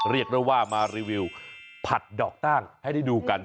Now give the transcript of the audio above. เรียกได้ว่ามารีวิวผัดดอกตั้งให้ได้ดูกัน